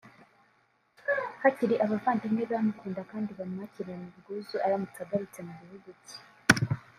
hakiri abavandimwe be bamukunda kandi bamwakirana ubwuzu aramutse agarutse mu gihugu cye